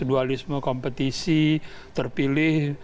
dualisme kompetisi terpilih